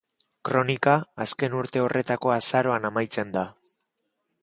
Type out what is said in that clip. Kronika, azken urte horretako azaroan amaitzen da.